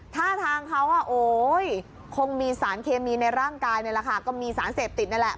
ท่าทางเขาคงมีสารเคมีในร่างกายนี่แหละค่ะก็มีสารเสพติดนั่นแหละ